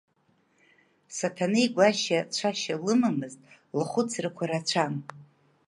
Саҭанеи Гәашьа цәашьа лымамызт, лхәыцрақәа рацәан.